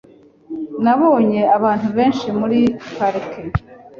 Nabonye abantu benshi muri parike .